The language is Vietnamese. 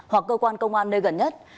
hoặc cơ quan công an nơi gần nhất